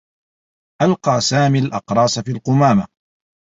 ألقى سامي الأقراص في القمامة.